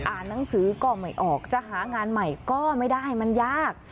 หนังสือก็ไม่ออกจะหางานใหม่ก็ไม่ได้มันยาก